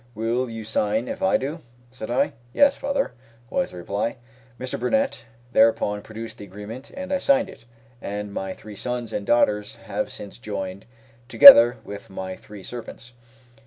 "Will you sign if I do?" said I. "Yes, father," was the reply. Mr. Burnett thereupon produced the agreement, and I signed it; and my three sons and daughters have since joined, together with my three servants.